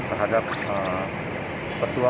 terhadap korban yang diperlukan